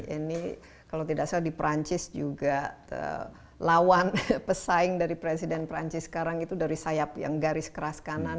ini kalau tidak salah di perancis juga lawan pesaing dari presiden perancis sekarang itu dari sayap yang garis keras kanan